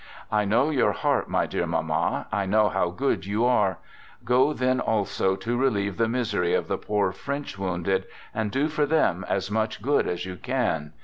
I know your heart, my dear mamma, I know how good you ? are. Go then also to relieve the misery of the poor \ French wounded, and do for them as much good ; as you can.